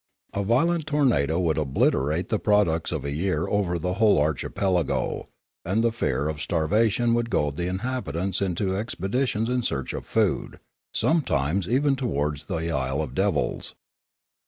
A violent tornado would obliterate the products of a year over the whole archipelago, and the fear of starvation would goad the inhabitants into ex peditions in search of food, sometimes even towards the isle of devils.